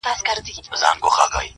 مینه وړي یوه مقام لره هر دواړه,